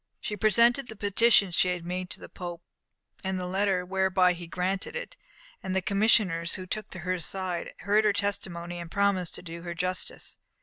She presented the petition she had made to the Pope, and the letter whereby he granted it, and the commissioners took her aside, heard her testimony, and promised to do her justice.